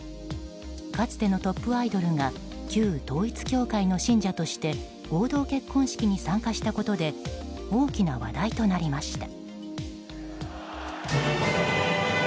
かつてのトップアイドルが旧統一教会の信者として合同結婚式に参加したことで大きな話題となりました。